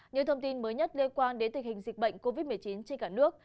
những thông tin mới nhất liên quan đến tình hình dịch bệnh covid một mươi chín trên cả nước